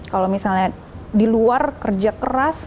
kalau misalnya di luar kerja keras